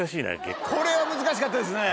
これは難しかったですね。